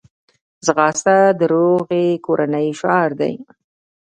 ځغاسته د روغې کورنۍ شعار دی